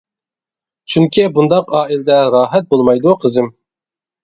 چۈنكى، بۇنداق ئائىلىدە راھەت بولمايدۇ قىزىم!